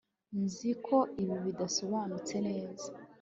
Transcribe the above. nzi ko ibi bidasobanutse neza